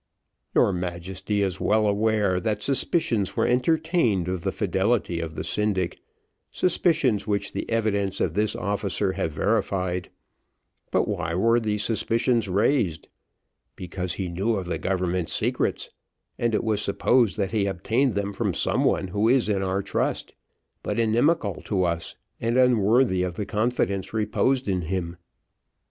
"Your Majesty is well aware that suspicions were entertained of the fidelity of the syndic, suspicions which the evidence of this officer have verified. But why were these suspicions raised? Because he knew of the government secrets, and it was supposed he obtained them from some one who is in our trust, but inimical to us and unworthy of the confidence reposed in him.